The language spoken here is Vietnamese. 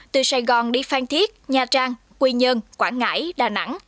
từ sài gòn đi phan thiết nha trang quy nhơn quảng ngãi đà nẵng